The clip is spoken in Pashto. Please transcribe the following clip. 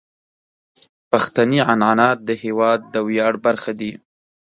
پښتني عنعنات د هیواد د ویاړ برخه دي.